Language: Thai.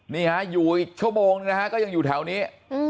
นี่ฮะอยู่อีกชั่วโมงนึงนะฮะก็ยังอยู่แถวนี้